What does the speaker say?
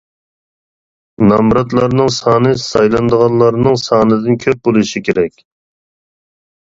نامزاتلارنىڭ سانى سايلىنىدىغانلارنىڭ سانىدىن كۆپ بولۇشى كېرەك.